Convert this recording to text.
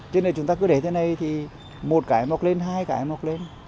cho nên chúng ta cứ để thế này thì một cái mọc lên hai cái mọc lên